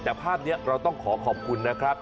แต่ภาพนี้เราต้องขอขอบคุณนะครับ